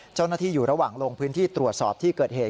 เจ้าหน้าที่อยู่ระหว่างลงพื้นที่ตรวจสอบที่เกิดเหตุ